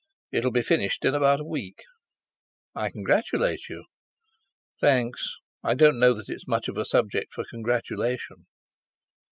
"It'll be finished in about a week." "I congratulate you!" "Thanks—I don't know that it's much of a subject for congratulation."